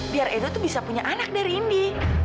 biar edo tuh bisa punya anak dari ini